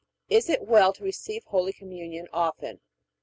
Is it well to receive Holy Communion often?